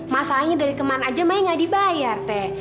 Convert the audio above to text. masalahnya dari kemarin aja saya nggak dibayar teh